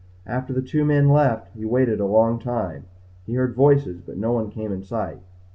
After the two men left he waited a long time. He heard voices but no one came in sight.